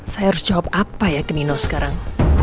saya harus jawab apa ya ke nino sekarang